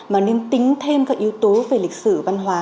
mà nên tính thêm các yếu tố về lịch sử văn hóa